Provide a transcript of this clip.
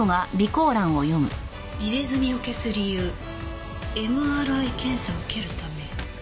「入れ墨を消す理由ＭＲＩ検査を受ける為」